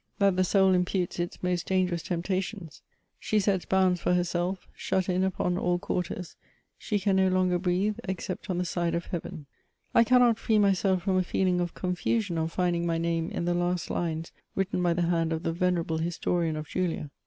— NoTB B, 154 MEMOIRS OF the soul imputes its most dangerous temptations ; she sets bounds for herself: shut in upon all quarters, she can no longer breathe except on the side o£ heaven." I cannot free myself from a feeling of confusion on finding my name in the last hues written by the hand of the venerable historian of Julia.